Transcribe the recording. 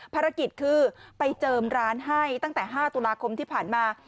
ภารกิจคือไปเจิมร้านให้ตั้งแต่๕ตุลาคมที่ผ่านมา